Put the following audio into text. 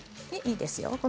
いいですよ